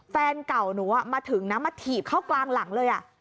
แฟนเก่าหนูมาถึงนะมาถีบเข้ากลางหลังเลย